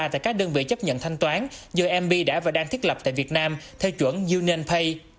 tại các đơn vị chấp nhận thanh toán do mb đã và đang thiết lập tại việt nam theo chuẩn unionpay